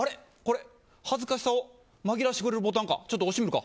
恥ずかしさを紛らわせてくれるボタンか。